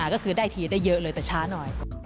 ก็คือได้ทีได้เยอะเลยแต่ช้าหน่อย